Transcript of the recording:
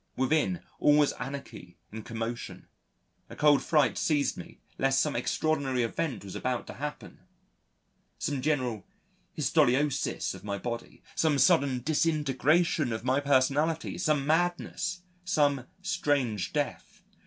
Within, all was anarchy and commotion, a cold fright seized me lest some extraordinary event was about to happen: some general histolysis of my body, some sudden disintegration of my personality, some madness, some strange death....